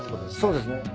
そうですね。